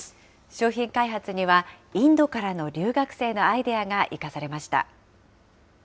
商品開発には、インドからの留学生のアイデアが生かされました。